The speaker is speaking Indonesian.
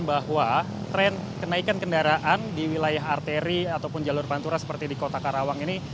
bahwa tren kenaikan kendaraan di wilayah arteri ataupun jalur pantura seperti di kota karawang ini